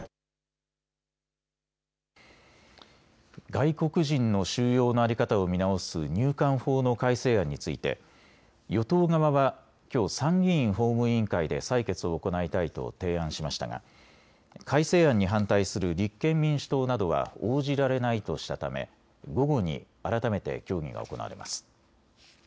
外国人の収容の在り方を見直す入管法の改正案について与党側はきょう参議院法務委員会で採決を行いたいと提案しましたが改正案に反対する立憲民主党などは応じられないとしたため午後に改めて協議が行われます。